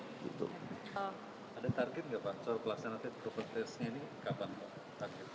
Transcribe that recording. ada target nggak pak soal pelaksanaan fit proper testnya ini kapan pak